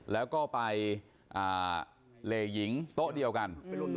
แล้วก็ไปเหล่หญิงโต๊ะเดียวกัน